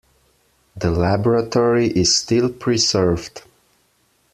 The laboratory is still preserved.